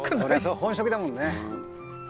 本職だもんね。